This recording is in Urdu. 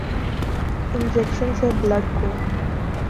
انجکشن سے بلڈ کو